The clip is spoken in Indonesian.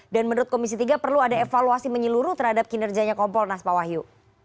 dan menurut komisi tiga perlu ada evaluasi menyeluruh terhadap kinerjanya kompolnas pak wahyu